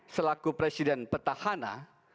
selaku presiden petahana